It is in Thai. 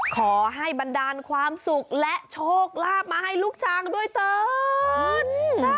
ขอให้บันดาลความสุขและโชคลาภมาให้ลูกช้างด้วยเถิน